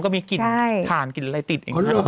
ห่อมีกลิ่นฐานกินอะไรติด